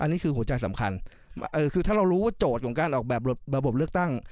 อันนี้คือหัวใจสำคัญคือถ้าเรารู้ว่าโจทย์ของการออกแบบระบบเลือกตั้ง